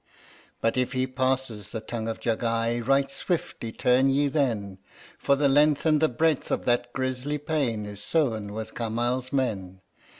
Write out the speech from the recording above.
"But if he be past the Tongue of Jagai, right swiftly turn ye then, For the length and the breadth of that grisly plain is sown with Kamal's men.